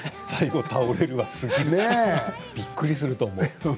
最後倒れるわびっくりすると思う。